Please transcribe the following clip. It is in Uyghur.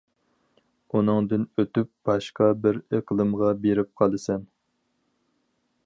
ئۇنىڭدىن ئۆتۈپ، باشقا بىر ئىقلىمغا بېرىپ قالىسەن.